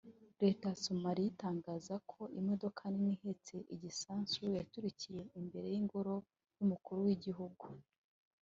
Leta ya Somaliya iratangaza ko imodoka nini ihetse igisasu yaturikiye imbere y’Ingoro y’umukuru w’igihugu